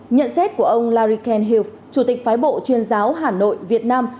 nhận xét của ông larry kenhill chủ tịch phái bộ chuyên giáo hà nội việt nam